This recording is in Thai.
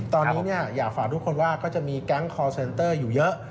ตอนนี้อยากฝากทุกคนว่าก็จะมีแก๊งคอร์เซนเตอร์อยู่เยอะ